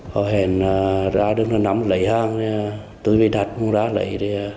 họ hẹn ra đứng đó nắm lấy hàng tôi đặt ra lấy